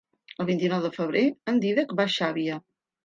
El vint-i-nou de febrer en Dídac va a Xàbia.